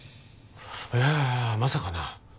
いやいやまさかな。